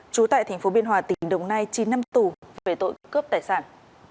trú tại thành phố biên hòa tỉnh đồng nai chín năm tù về tội cướp tài sản